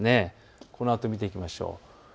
このあと見ていきましょう。